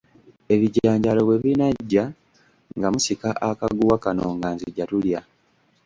Ebijanjaalo bwe binaggya nga musika akaguwa kano nga nzija tulya.